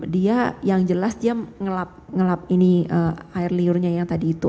dia yang jelas dia ngelap ngelap ini air liurnya yang tadi itu